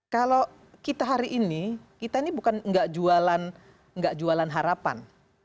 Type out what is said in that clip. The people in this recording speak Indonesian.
kalau kita hari ini kita ini bukan nggak jualan harapan